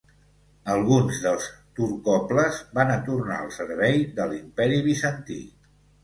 Alguns dels turcoples van tornar al servei de l'Imperi bizantí.